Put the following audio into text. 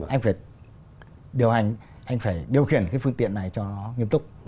anh phải điều hành anh phải điều khiển cái phương tiện này cho nó nghiêm túc